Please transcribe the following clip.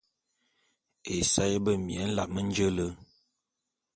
Esaé bemie nlame nje le.